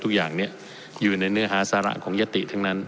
ทุกอย่างนี้อยู่ในเนื้อหาสาระของยติทั้งนั้น